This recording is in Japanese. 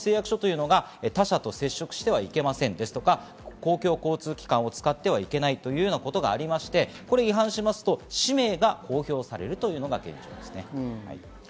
他者と接触してはいけません、公共交通機関を使ってはいけないということなどがありまして、違反しますと氏名が公表されるのが現状です。